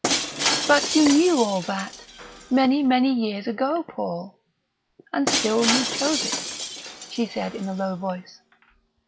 "But you knew all that, many, many years ago, Paul and still you chose it," she said in a low voice.